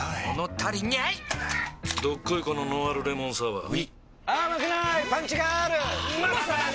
どっこいこのノンアルレモンサワーうぃまさに！